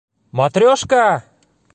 Матрешка!